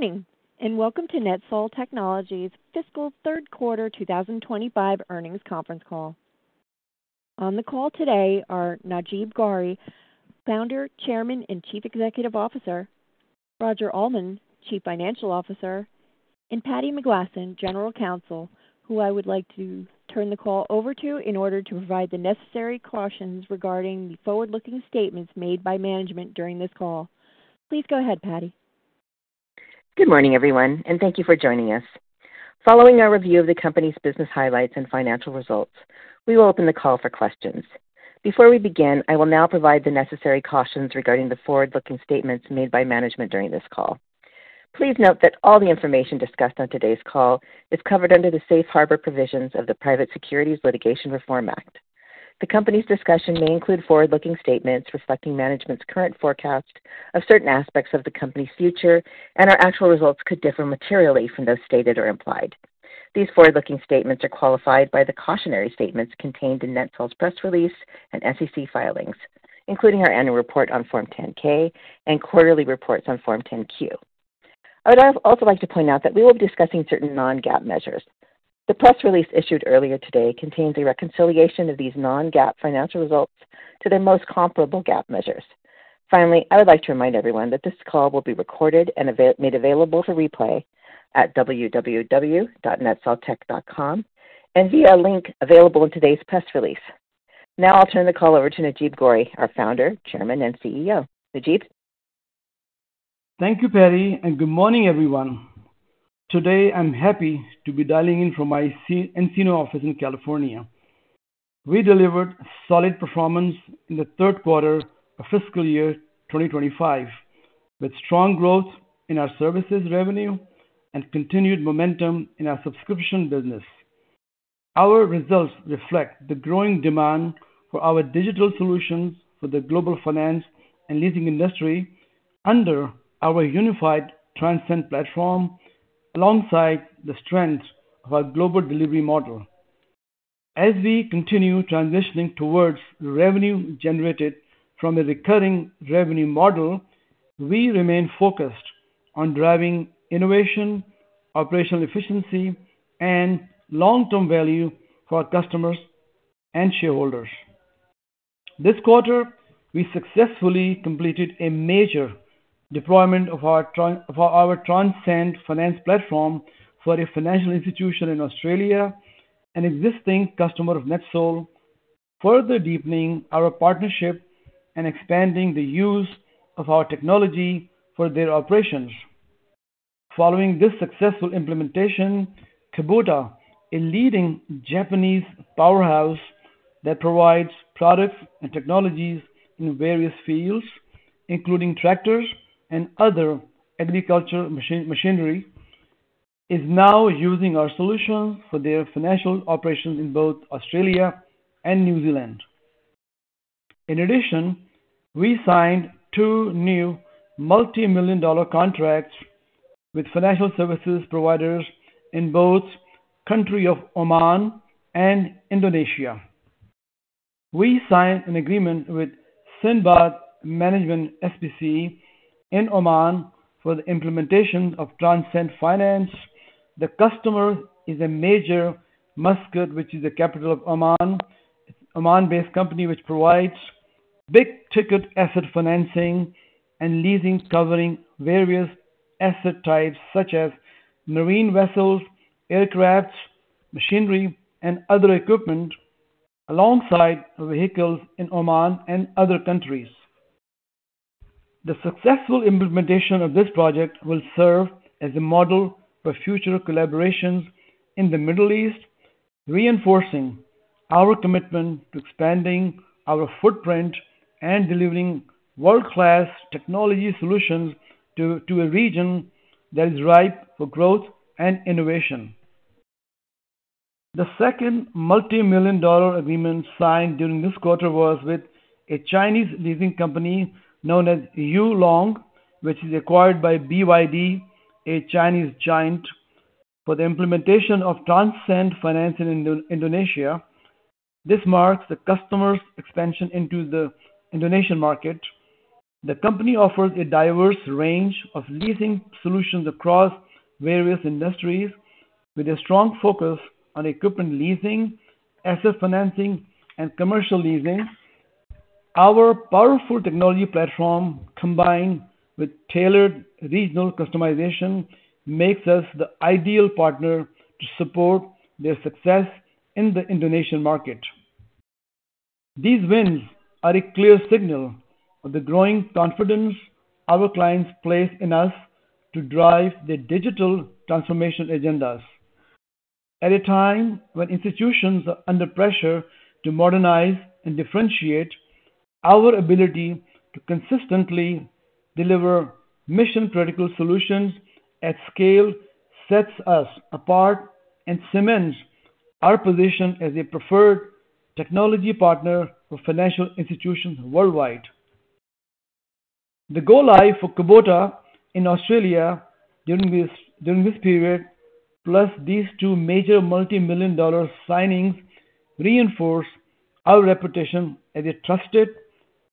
Good morning and welcome to NETSOL Technologies' fiscal third quarter 2025 earnings conference call. On the call today are Najeeb Ghauri, Founder, Chairman, and Chief Executive Officer; Roger Almond, Chief Financial Officer; and Patti McGlasson, General Counsel, who I would like to turn the call over to in order to provide the necessary cautions regarding the forward-looking statements made by management during this call. Please go ahead, Patti. Good morning, everyone, and thank you for joining us. Following our review of the company's business highlights and financial results, we will open the call for questions. Before we begin, I will now provide the necessary cautions regarding the forward-looking statements made by management during this call. Please note that all the information discussed on today's call is covered under the safe harbor provisions of the Private Securities Litigation Reform Act. The company's discussion may include forward-looking statements reflecting management's current forecast of certain aspects of the company's future, and our actual results could differ materially from those stated or implied. These forward-looking statements are qualified by the cautionary statements contained in NETSOL's press release and SEC filings, including our annual report on Form 10-K and quarterly reports on Form 10-Q. I would also like to point out that we will be discussing certain non-GAAP measures. The press release issued earlier today contains a reconciliation of these non-GAAP financial results to their most comparable GAAP measures. Finally, I would like to remind everyone that this call will be recorded and made available for replay at www.netsoltech.com and via a link available in today's press release. Now I'll turn the call over to Najeeb Ghauri, our Founder, Chairman, and CEO. Najeeb. Thank you, Patti, and good morning, everyone. Today, I'm happy to be dialing in from my Encino office in California. We delivered solid performance in the third quarter of fiscal year 2025, with strong growth in our services revenue and continued momentum in our subscription business. Our results reflect the growing demand for our digital solutions for the global finance and leasing industry under our unified Transcend Platform, alongside the strength of our global delivery model. As we continue transitioning towards revenue generated from a recurring revenue model, we remain focused on driving innovation, operational efficiency, and long-term value for our customers and shareholders. This quarter, we successfully completed a major deployment of our Transcend Finance platform for a financial institution in Australia, an existing customer of NETSOL, further deepening our partnership and expanding the use of our technology for their operations. Following this successful implementation, Kubota, a leading Japanese powerhouse that provides products and technologies in various fields, including tractors and other agricultural machinery, is now using our solutions for their financial operations in both Australia and New Zealand. In addition, we signed two new multi-million dollar contracts with financial services providers in both the country of Oman and Indonesia. We signed an agreement with Sindbad Management SPC in Oman for the implementation of Transcend Finance. The customer is a major in Muscat, which is the capital of Oman. It's an Oman-based company which provides big-ticket asset financing and leasing, covering various asset types such as marine vessels, aircraft, machinery, and other equipment, alongside vehicles in Oman and other countries. The successful implementation of this project will serve as a model for future collaborations in the Middle East, reinforcing our commitment to expanding our footprint and delivering world-class technology solutions to a region that is ripe for growth and innovation. The second multi-million dollar agreement signed during this quarter was with a Chinese leasing company known as Yulong, which is acquired by BYD, a Chinese giant, for the implementation of Transcend Finance in Indonesia. This marks the customer's expansion into the Indonesian market. The company offers a diverse range of leasing solutions across various industries, with a strong focus on equipment leasing, asset financing, and commercial leasing. Our powerful technology platform, combined with tailored regional customization, makes us the ideal partner to support their success in the Indonesian market. These wins are a clear signal of the growing confidence our clients place in us to drive the digital transformation agendas. At a time when institutions are under pressure to modernize and differentiate, our ability to consistently deliver mission-critical solutions at scale sets us apart and cements our position as a preferred technology partner for financial institutions worldwide. The go-live for Kubota in Australia during this period, plus these two major multi-million dollar signings, reinforce our reputation as a trusted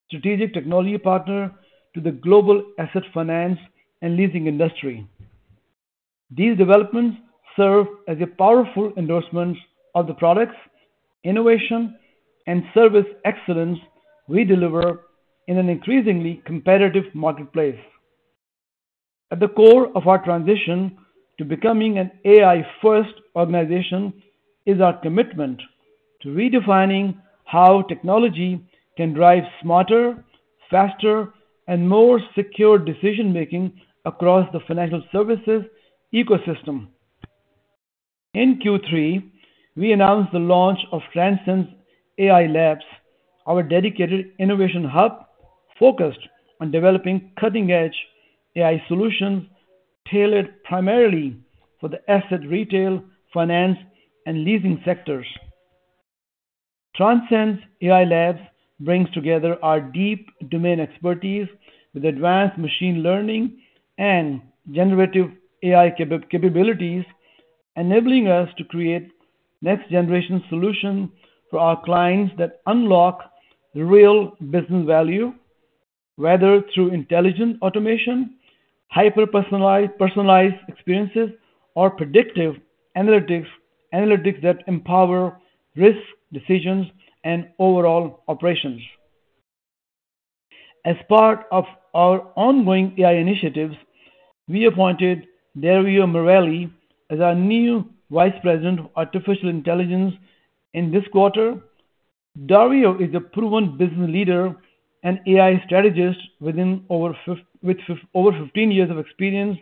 strategic technology partner to the global asset finance and leasing industry. These developments serve as a powerful endorsement of the products, innovation, and service excellence we deliver in an increasingly competitive marketplace. At the core of our transition to becoming an AI-first organization is our commitment to redefining how technology can drive smarter, faster, and more secure decision-making across the financial services ecosystem. In Q3, we announced the launch of Transcend AI Labs, our dedicated innovation hub focused on developing cutting-edge AI solutions tailored primarily for the asset retail, finance, and leasing sectors. Transcend AI Labs brings together our deep domain expertise with advanced machine learning and generative AI capabilities, enabling us to create next-generation solutions for our clients that unlock real business value, whether through intelligent automation, hyper-personalized experiences, or predictive analytics that empower risk decisions and overall operations. As part of our ongoing AI initiatives, we appointed Dario Morelli as our new Vice President of Artificial Intelligence in this quarter. Dario is a proven business leader and AI strategist with over 15 years of experience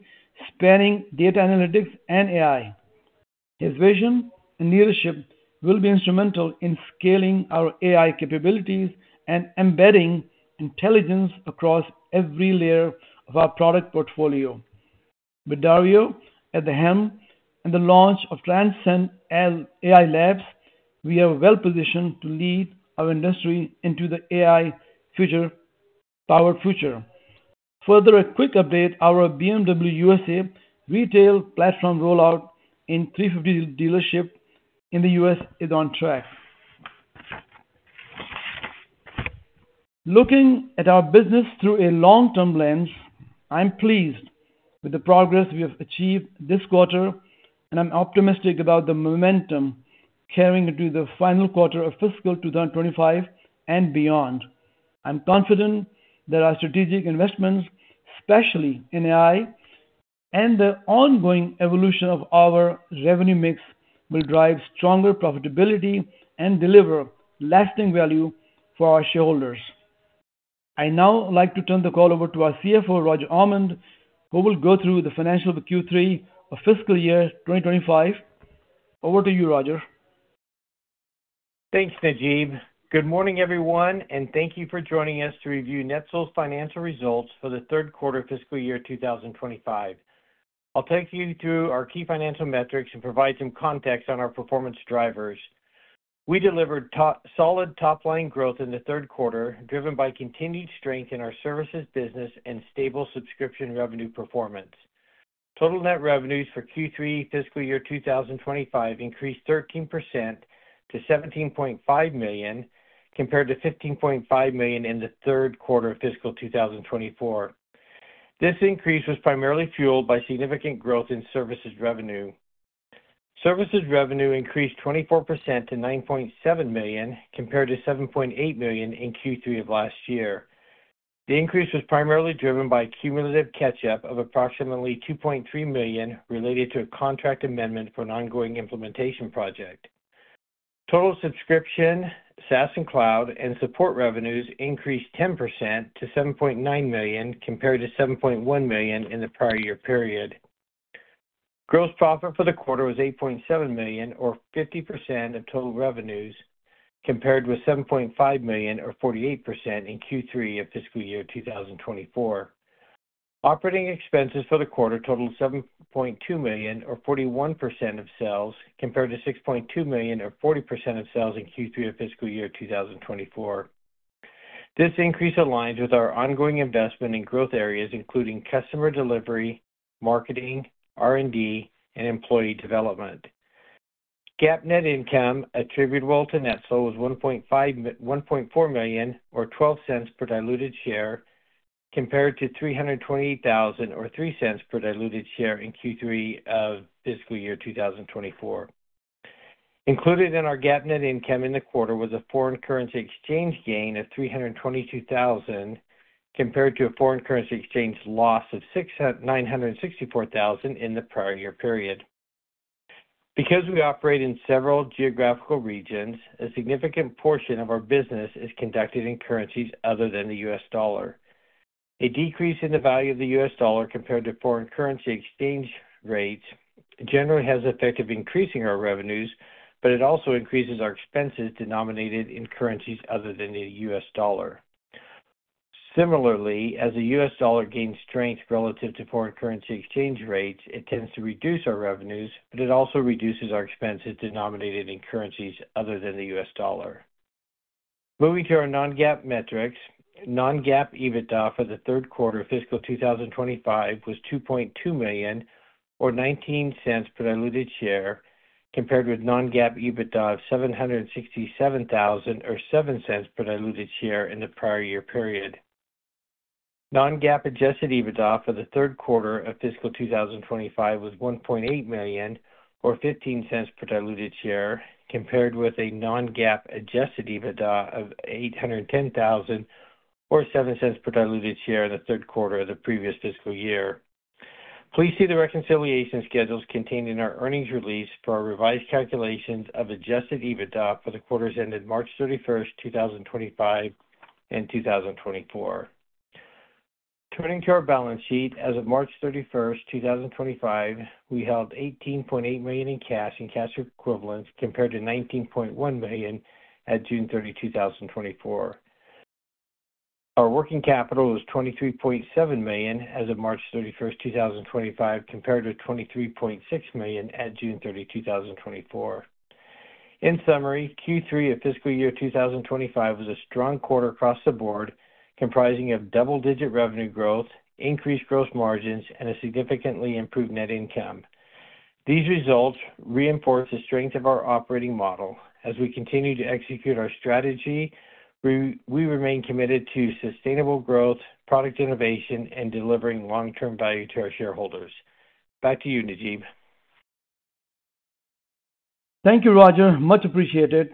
spanning data analytics and AI. His vision and leadership will be instrumental in scaling our AI capabilities and embedding intelligence across every layer of our product portfolio. With Dario at the helm and the launch of Transcend AI Labs, we are well-positioned to lead our industry into the AI-powered future. Further, a quick update: our BMW USA retail platform rollout in 350 dealerships in the U.S. is on track. Looking at our business through a long-term lens, I'm pleased with the progress we have achieved this quarter, and I'm optimistic about the momentum carrying into the final quarter of fiscal 2025 and beyond. I'm confident that our strategic investments, especially in AI, and the ongoing evolution of our revenue mix will drive stronger profitability and deliver lasting value for our shareholders. I now like to turn the call over to our CFO, Roger Almond, who will go through the financial Q3 of fiscal year 2025. Over to you, Roger. Thanks, Najeeb. Good morning, everyone, and thank you for joining us to review NETSOL's financial results for the third quarter of fiscal year 2025. I'll take you through our key financial metrics and provide some context on our performance drivers. We delivered solid top-line growth in the third quarter, driven by continued strength in our services business and stable subscription revenue performance. Total net revenues for Q3 fiscal year 2025 increased 13% to $17.5 million, compared to $15.5 million in the third quarter of fiscal 2024. This increase was primarily fueled by significant growth in services revenue. Services revenue increased 24% to $9.7 million, compared to $7.8 million in Q3 of last year. The increase was primarily driven by cumulative catch-up of approximately $2.3 million related to a contract amendment for an ongoing implementation project. Total subscription, SaaS, and cloud and support revenues increased 10% to $7.9 million, compared to $7.1 million in the prior year period. Gross profit for the quarter was $8.7 million, or 50% of total revenues, compared with $7.5 million, or 48%, in Q3 of fiscal year 2024. Operating expenses for the quarter totaled $7.2 million, or 41% of sales, compared to $6.2 million, or 40% of sales in Q3 of fiscal year 2024. This increase aligns with our ongoing investment in growth areas, including customer delivery, marketing, R&D, and employee development. GAAP net income attributable to NETSOL was $1.4 million, or $0.12 per diluted share, compared to $328,000, or $0.03 per diluted share in Q3 of fiscal year 2024. Included in our GAAP net income in the quarter was a foreign currency exchange gain of $322,000, compared to a foreign currency exchange loss of $964,000 in the prior year period. Because we operate in several geographical regions, a significant portion of our business is conducted in currencies other than the U.S. dollar. A decrease in the value of the U.S. dollar compared to foreign currency exchange rates generally has the effect of increasing our revenues, but it also increases our expenses denominated in currencies other than the U.S. dollar. Similarly, as the U.S. dollar gains strength relative to foreign currency exchange rates, it tends to reduce our revenues, but it also reduces our expenses denominated in currencies other than the U.S. dollar. Moving to our non-GAAP metrics, non-GAAP EBITDA for the third quarter of fiscal 2025 was $2.2 million, or $0.19 per diluted share, compared with non-GAAP EBITDA of $767,000, or $0.07 per diluted share in the prior year period. Non-GAAP adjusted EBITDA for the third quarter of fiscal 2025 was $1.8 million, or $0.15 per diluted share, compared with a non-GAAP adjusted EBITDA of $810,000, or $0.07 per diluted share in the third quarter of the previous fiscal year. Please see the reconciliation schedules contained in our earnings release for our revised calculations of adjusted EBITDA for the quarters ended March 31, 2025, and 2024. Turning to our balance sheet, as of March 31, 2025, we held $18.8 million in cash and cash equivalents compared to $19.1 million at June 30, 2024. Our working capital was $23.7 million as of March 31, 2025, compared to $23.6 million at June 30, 2024. In summary, Q3 of fiscal year 2025 was a strong quarter across the board, comprising of double-digit revenue growth, increased gross margins, and a significantly improved net income. These results reinforce the strength of our operating model. As we continue to execute our strategy, we remain committed to sustainable growth, product innovation, and delivering long-term value to our shareholders. Back to you, Najeeb. Thank you, Roger. Much appreciated.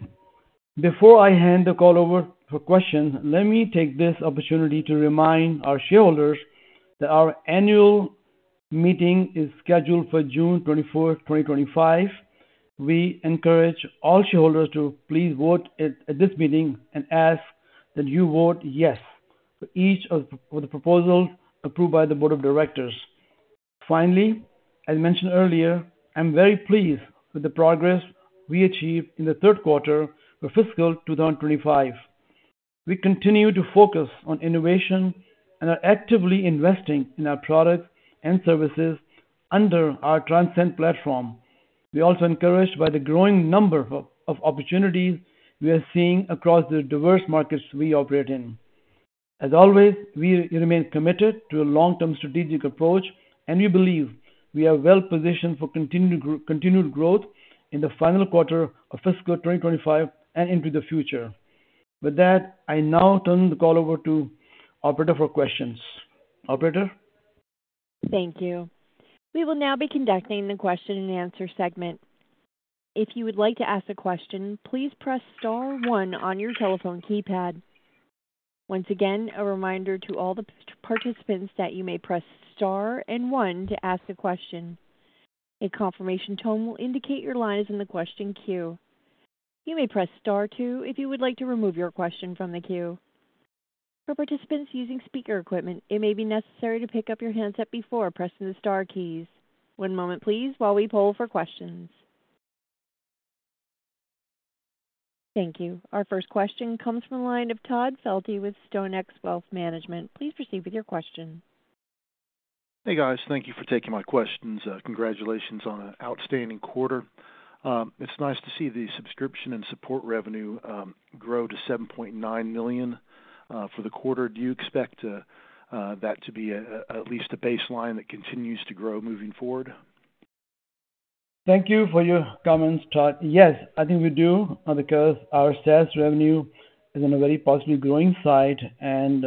Before I hand the call over for questions, let me take this opportunity to remind our shareholders that our Annual Meeting is scheduled for June 24, 2025. We encourage all shareholders to please vote at this meeting and ask that you vote yes for each of the proposals approved by the Board of Directors. Finally, as mentioned earlier, I'm very pleased with the progress we achieved in the third quarter of fiscal 2025. We continue to focus on innovation and are actively investing in our products and services under our Transcend Platform. We are also encouraged by the growing number of opportunities we are seeing across the diverse markets we operate in. As always, we remain committed to a long-term strategic approach, and we believe we are well-positioned for continued growth in the final quarter of fiscal 2025 and into the future. With that, I now turn the call over to operator for questions. Operator. Thank you. We will now be conducting the question-and-answer segment. If you would like to ask a question, please press star one on your telephone keypad. Once again, a reminder to all the participants that you may press star and one to ask a question. A confirmation tone will indicate your line is in the question queue. You may press star two if you would like to remove your question from the queue. For participants using speaker equipment, it may be necessary to pick up your handset before pressing the star keys. One moment, please, while we poll for questions. Thank you. Our first question comes from a line of Todd Felte with StoneX Wealth Management. Please proceed with your question. Hey, guys. Thank you for taking my questions. Congratulations on an outstanding quarter. It's nice to see the subscription and support revenue grow to $7.9 million for the quarter. Do you expect that to be at least a baseline that continues to grow moving forward? Thank you for your comments, Todd. Yes, I think we do because our sales revenue is in a very positively growing side, and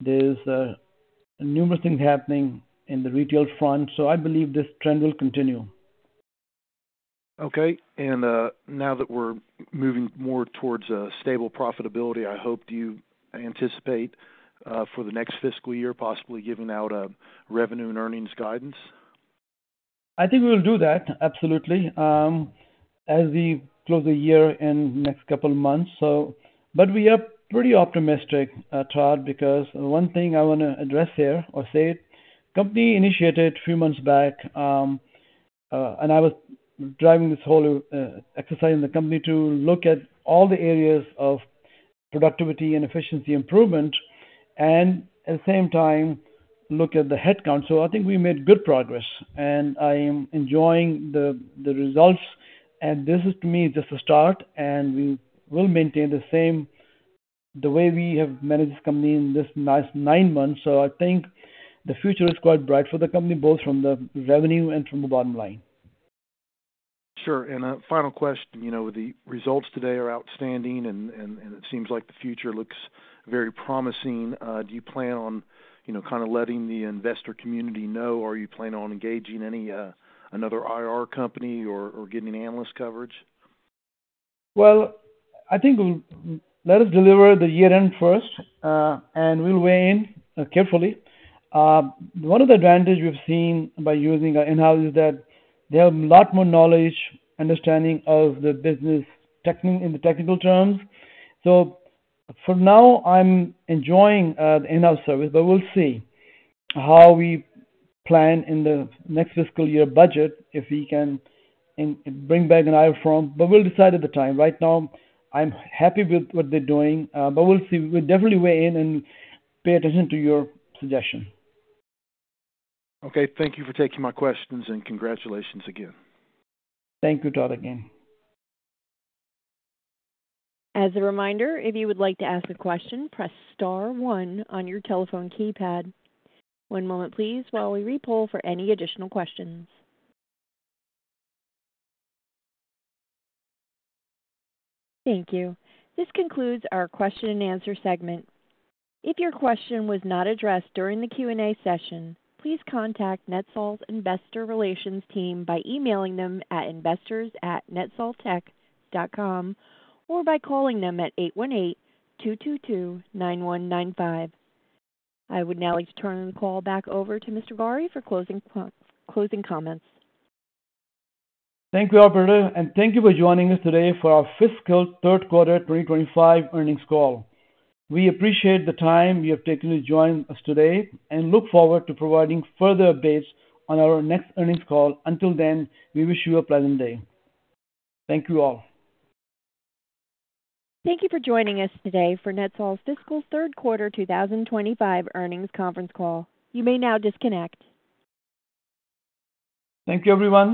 there's numerous things happening in the retail front. I believe this trend will continue. Okay. Now that we're moving more towards a stable profitability, I hope you anticipate for the next fiscal year possibly giving out a revenue and earnings guidance. I think we will do that, absolutely, as we close the year in the next couple of months. We are pretty optimistic, Todd, because one thing I want to address here or say, company initiated a few months back, and I was driving this whole exercise in the company to look at all the areas of productivity and efficiency improvement and, at the same time, look at the headcount. I think we made good progress, and I am enjoying the results. This is, to me, just a start, and we will maintain the same the way we have managed this company in this nice nine months. I think the future is quite bright for the company, both from the revenue and from the bottom line. Sure. A final question. The results today are outstanding, and it seems like the future looks very promising. Do you plan on kind of letting the investor community know, or are you planning on engaging another IR company or getting analyst coverage? I think let us deliver the year-end first, and we'll weigh in carefully. One of the advantages we've seen by using our in-house is that they have a lot more knowledge, understanding of the business in the technical terms. For now, I'm enjoying the in-house service, but we'll see how we plan in the next fiscal year budget if we can bring back an IR firm. We'll decide at the time. Right now, I'm happy with what they're doing, but we'll see. We'll definitely weigh in and pay attention to your suggestion. Okay. Thank you for taking my questions, and congratulations again. Thank you, Todd, again. As a reminder, if you would like to ask a question, press star one on your telephone keypad. One moment, please, while we repoll for any additional questions. Thank you. This concludes our question-and-answer segment. If your question was not addressed during the Q&A session, please contact NETSOL's Investor Relations team by emailing them at investors@netsoltech.com or by calling them at 818-222-9195. I would now like to turn the call back over to Mr. Ghauri for closing comments. Thank you, operator, and thank you for joining us today for our fiscal third quarter 2025 earnings call. We appreciate the time you have taken to join us today and look forward to providing further updates on our next earnings call. Until then, we wish you a pleasant day. Thank you all. Thank you for joining us today for NETSOL's fiscal third quarter 2025 earnings conference call. You may now disconnect. Thank you, everyone.